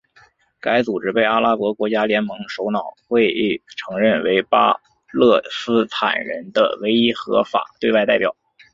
该组织被阿拉伯国家联盟首脑会议承认为巴勒斯坦人的唯一合法对外代表。